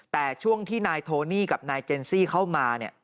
แต่ช่วงที่นายโทนี่กับนายเจนซี่เข้ามาเนี่ย